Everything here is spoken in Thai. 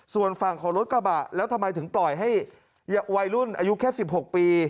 ส่วนฝั่งของรถกระบะแล้วทำไมถึงปล่อยให้วัยรุ่นอายุแค่๑๖ปี